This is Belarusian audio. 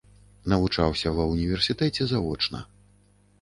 Навучаўся ва ўніверсітэце завочна.